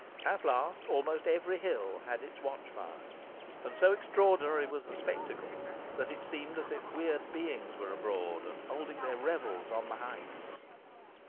At last, almost every hill had its watch fire, and so extraordinary was the spectacle, that it seemed as if weird beings were abroad, and holding their revels on the heights.